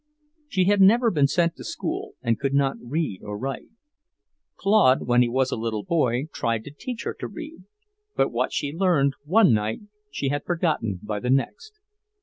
She had never been sent to school, and could not read or write. Claude, when he was a little boy, tried to teach her to read, but what she learned one night she had forgotten by the next.